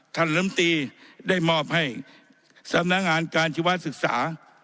ลำตีได้มอบให้สำนักงานการชีวศึกษา